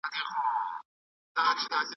او شمال لویدیځ کي د شیبانیانو.